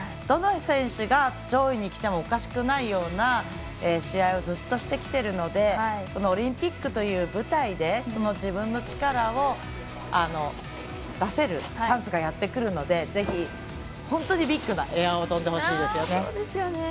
どの選手が上位に来てもおかしくないような試合をずっとしてきているのでオリンピックという舞台で自分の力を出せるチャンスがやってくるのでぜひ、本当にビッグなエアをとんでほしいです。